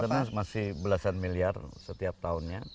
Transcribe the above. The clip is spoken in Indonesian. karena masih belasan miliar setiap tahunnya